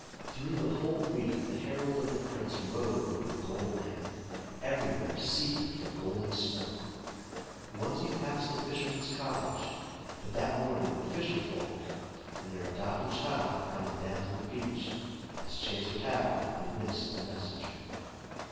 Through the whole week the herald of the prince rode over the Gold Land, everywhere seeking for Golden Snow. Once he passed the fisherman's cottage, but that morning the fisher folk and their adopted child had gone down to the beach. As chance would have it, they missed the messenger.